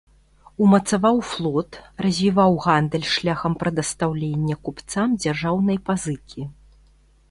Умацаваў флот, развіваў гандаль шляхам прадастаўлення купцам дзяржаўнай пазыкі.